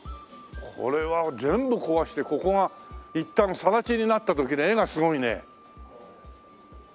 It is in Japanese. これは全部壊してここがいったんさら地になった時に画がすごいね。